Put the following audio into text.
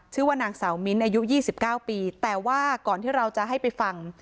ชื่อว่านางสาวมิ้นท์อายุ๒๙ปีแต่ว่าก่อนที่เราจะให้ไปฟัง